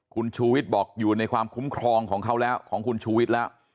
คุณชูวิทย์บอกอยู่ในความคุ้มครองของเขาแล้วของคุณชูวิทย์แล้ว